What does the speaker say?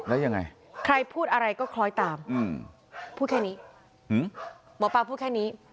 แล้วยังไงใครพูดอะไรก็คล้อยตามพูดแค่นี้หมอปลาพูดแค่นี้